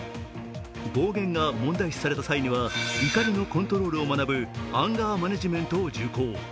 暴言が問題視された際には、怒りのコントロールを学ぶアンガーマネジメントを受講。